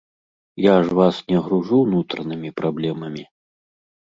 Я ж вас не гружу ўнутранымі праблемамі.